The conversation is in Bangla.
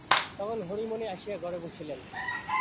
তখন হরিমোহিনী আসিয়া ঘরে বসিলেন।